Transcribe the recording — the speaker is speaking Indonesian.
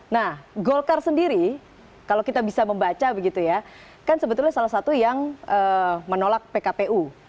nah golkar sendiri kalau kita bisa membaca begitu ya kan sebetulnya salah satu yang menolak pkpu